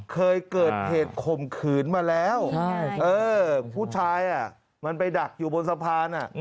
เคยเกิดเหตุข่มขืนมาแล้วผู้ชายมันไปดักอยู่บนสะพาน